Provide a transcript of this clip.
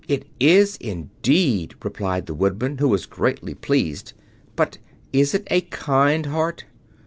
"It is, indeed!" replied the Woodman, who was greatly pleased. "But is it a kind heart?"